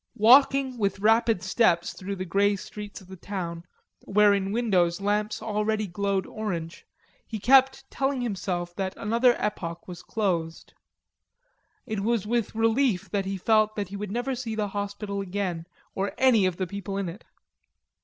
Walking with rapid steps through the grey streets of the town, where in windows lamps already glowed orange, he kept telling himself that another epoch was closed. It was with relief that he felt that he would never see the hospital again or any of the people in it.